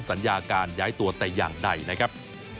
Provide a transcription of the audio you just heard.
สัญญาการย้ายตัวแต่อย่างใดนะครับ